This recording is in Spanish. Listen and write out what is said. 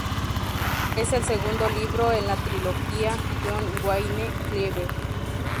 Es el segundo libro en la trilogía John Wayne Cleaver.